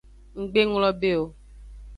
Nggbe nglongbe o.